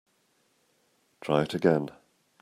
Try it again.